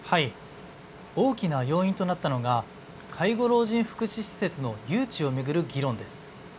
大きな要因となったのが介護老人福祉施設の誘致を巡る議論です。